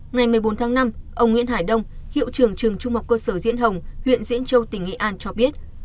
ngày một mươi bốn tháng năm ông nguyễn hải đông hiệu trưởng trường trung học cơ sở diễn hồng huyện diễn châu tỉnh nghệ an cho biết